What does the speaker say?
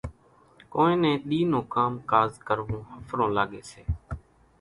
ڪونئين نين ۮِي نون ڪام ڪاز ڪروون ۿڦرون لاڳيَ سي۔